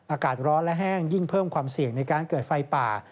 อากาศร้อนและแห้งยิ่งเพิ่มความเสี่ยงในการเกิดไฟป่า